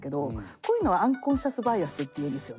こういうのはアンコンシャスバイアスっていうんですよね。